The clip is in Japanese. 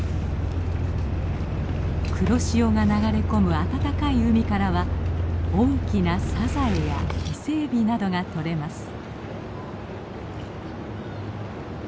黒潮が流れ込む暖かい海からは大きなサザエやイセエビなどが取れます。